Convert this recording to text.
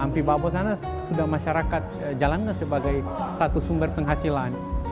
hampir babosan sudah masyarakat jalankan sebagai satu sumber penghasilan